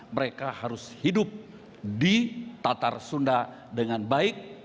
mereka harus hidup di tatar sunda dengan baik